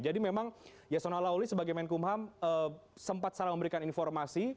jadi memang yasona lauli sebagai menkumham sempat salah memberikan informasi